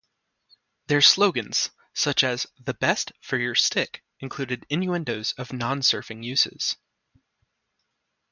Their slogans, such as "The best for your stick", included innuendos of non-surfing uses.